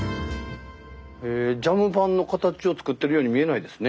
ジャムパンの形をつくってるように見えないですね。